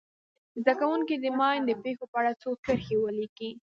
زده کوونکي دې د ماین د پېښو په اړه څو کرښې ولیکي.